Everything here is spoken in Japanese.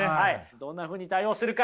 どんなふうに対応するか。